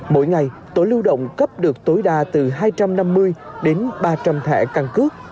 mỗi ngày tổ lưu động cấp được tối đa từ hai trăm năm mươi đến ba trăm linh thẻ căn cước